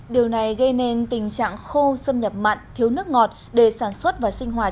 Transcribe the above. điều này gây nên tình trạng khô xâm nhập mặn thiếu nước ngọt để sản xuất và sinh hoạt